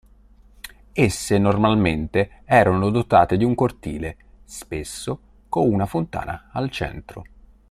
Esse normalmente erano dotate di un cortile, spesso con una fontana al centro.